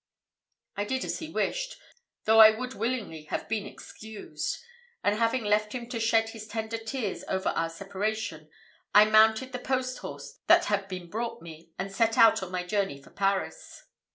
I did as he wished, though I would willingly have been excused; and having left him to shed his tender tears over our separation, I mounted the post horse that had been brought me, and set out on my journey for Paris.